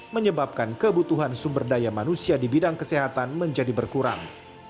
menyebabkan kebutuhan sumber daya manusia di bidang kesehatan menjadi berkurang